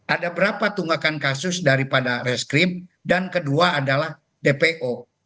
ada berapa tunggakan kasus daripada reskrim dan kedua adalah dpo